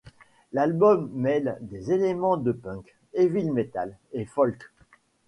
L'album mêle des éléments de punk, heavy metal et folk.